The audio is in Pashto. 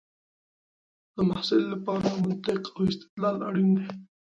د محصل لپاره منطق او استدلال اړین دی.